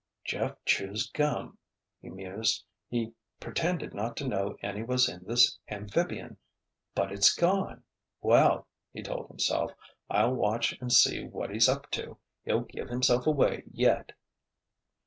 "Jeff chews gum," he mused. "He pretended not to know any was in this amphibian. But it's gone! Well," he told himself, "I'll watch and see what he's up to. He'll give himself away yet!"